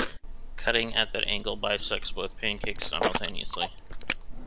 Cutting at that angle bisects both pancakes simultaneously.